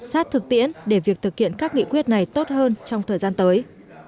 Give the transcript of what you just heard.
sát thực tiễn để việc thực hiện các nghị quyết này tốt hơn trong thời gian tới